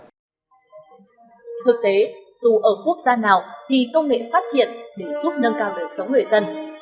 thực tế dù ở quốc gia nào thì công nghệ phát triển để giúp nâng cao đời sống người dân